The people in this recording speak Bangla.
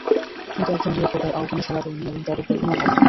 কিন্তু একজন লোকও তার আহ্বানে সাড়া দেয়নি এবং তার উপর ঈমান আনেনি।